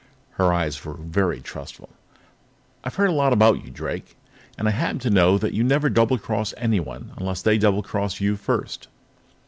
Her eyes were very trustful. "I've heard a lot about you, Drake, and I happen to know you never doublecross anyone unless they doublecross you first."